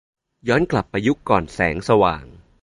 ย้อนกลับไปยุคก่อนแสงสว่าง